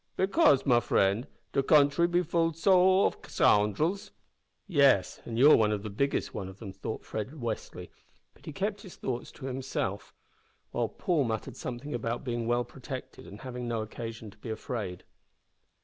"Because, me frund, de contry be full ob scoundrils." "Yes, an' you are one of the biggest of them," thought Fred Westly, but he kept his thoughts to himself, while Paul muttered something about being well protected, and having no occasion to be afraid.